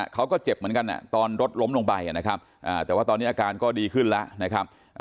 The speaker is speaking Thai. เขาก็เจ็บเหมือนกันตอนรถล้มลงไปนะครับแต่ว่าตอนนี้อาการก็ดีขึ้นแล้วนะครับ